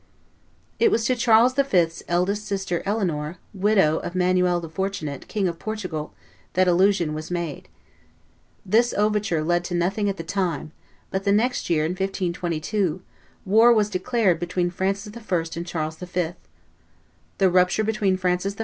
It was to Charles V.'s eldest sister, Eleanor, widow of Manuel the Fortunate, King of Portugal, that allusion was made. This overture led to nothing at the time; but the next year, in 1522, war was declared between Francis I. and Charles V.; the rupture between Francis I.